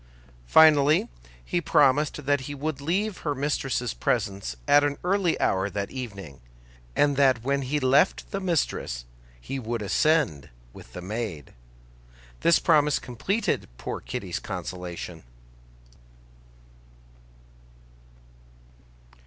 Finally he promised that he would leave her mistress's presence at an early hour that evening, and that when he left the mistress he would ascend with the maid. This promise completed poor Kitty's consolation.